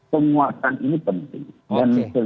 penguasaan ini penting